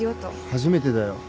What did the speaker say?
初めてだよ。